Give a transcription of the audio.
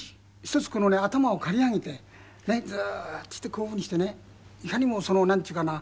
一つこのね頭を刈り上げてズーッてしてこういうふうにしてねいかにもなんていうかな。